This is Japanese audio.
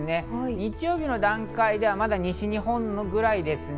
日曜日の段階ではまだ西日本ぐらいですね。